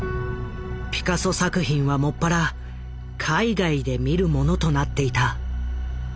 ピカソ作品は専ら海外で見るものとなっていた。